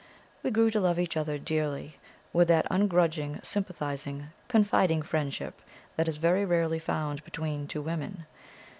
We grew to love each other dearly, with that ungrudging, sympathizing, confiding friendship that is very rarely found between two women.